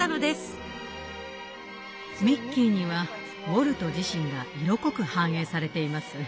ミッキーにはウォルト自身が色濃く反映されています。